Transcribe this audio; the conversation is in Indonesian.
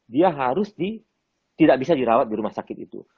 dia harus tidak bisa dirawat di rumah sakit itu